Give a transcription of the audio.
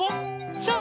そう。